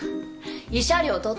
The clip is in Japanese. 慰謝料取って。